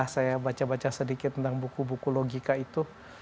saya baca baca sedikit tentang buku buku logika itu